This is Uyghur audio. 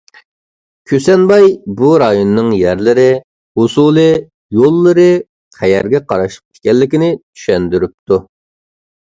كۈسەنباي بۇ رايوننىڭ يەرلىرى، ھوسۇلى، يوللىرى، قەيەرگە قاراشلىق ئىكەنلىكىنى چۈشەندۈرۈپتۇ.